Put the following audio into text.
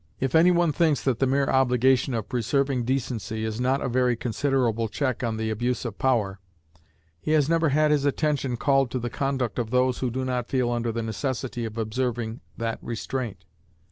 If any one thinks that the mere obligation of preserving decency is not a very considerable check on the abuse of power, he has never had his attention called to the conduct of those who do not feel under the necessity of observing that restraint.